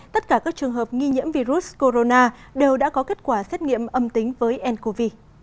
tất cả các trường hợp nghi nhiễm virus corona đều đã có kết quả xét nghiệm âm tính với ncov